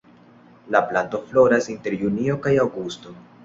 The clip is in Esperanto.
La planto floras inter junio kaj aŭgusto.